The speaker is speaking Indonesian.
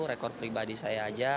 rekor pribadi saya aja